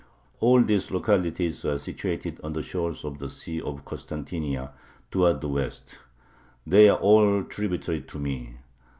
All these localities are situated on the shores of the Sea of Kostantinia towards the west.... They are all tributary to me.